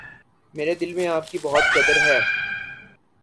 میرے دل میں آپ کی بہت قدر ہے۔